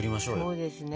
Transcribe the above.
そうですね。